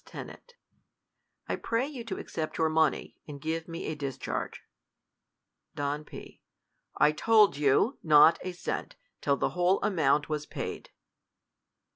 Ten. I pray you to accept your money, and give me a discharge. Don P. I told you, not a cent, till the whole amount y was paid.